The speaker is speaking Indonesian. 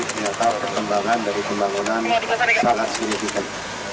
ternyata perkembangan dari pembangunan sangat signifikan